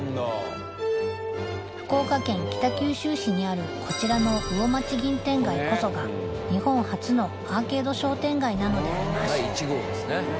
福岡県北九州市にあるこちらの魚町銀天街こそが日本初のアーケード商店街なのであります